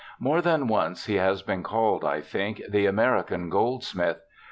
More than once he has been called, I think, the American Goldsmith.